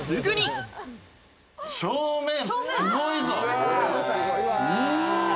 正面すごいぞ！